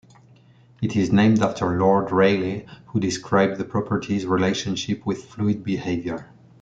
It is named after Lord Rayleigh, who described the property's relationship with fluid behaviour.